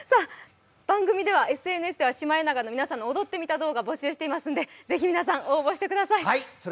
番組ではシマエナガの皆さんの踊ってみた動画募集していますのでぜひ皆さん、応募してみてください